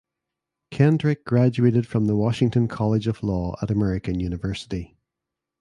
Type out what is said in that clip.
Kendrick graduated from the Washington College of Law at American University.